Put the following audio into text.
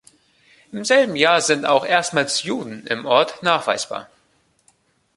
Im selben Jahr sind auch erstmals Juden im Ort nachweisbar.